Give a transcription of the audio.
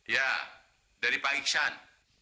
ya dari pak iksan